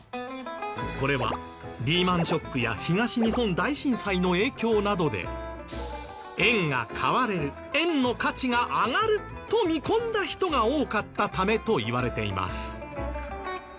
これはリーマンショックや東日本大震災の影響などで円が買われる円の価値が上がると見込んだ人が多かったためといわれています。